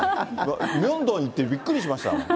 ミョンドン行ってびっくりしました。